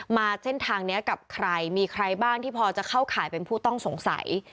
มาเส้นทางนี้กับใครมีใครบ้างที่พอจะเข้าข่ายเป็นผู้ต้องสงสัย